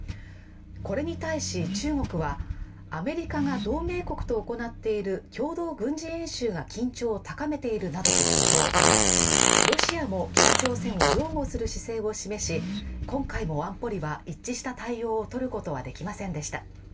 これに対し中国はアメリカが同盟国と行っている共同軍事演習が緊張を高めているなどと主張ロシアも北朝鮮を擁護する姿勢を示し、今回も安保理は一致した対応を取ることはできませんでした。